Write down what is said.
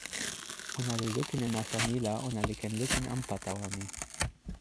ona li lukin e nasa mi la ona li ken lukin anpa tawa mi